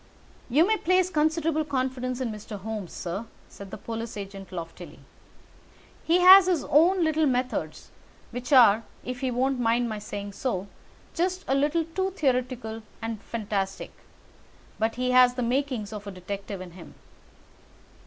"You may place considerable confidence in Mr. Holmes, sir," said the police agent loftily. "He has his own little methods, which are, if he won't mind my saying so, just a little too theoretical and fantastic, but he has the makings of a detective in him.